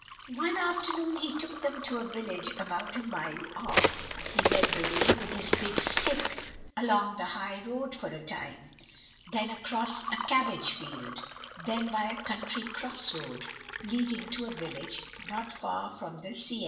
One afternoon he took them to a village about a mile off; he led the way with his big stick along the high road for a time, then across a cabbage field, then by a country cross road leading to a village not far from the Seine.